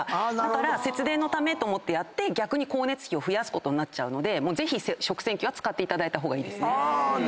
節電のためと思ってやって逆に光熱費を増やすことになるのでぜひ食洗機は使っていただいた方がいいですね。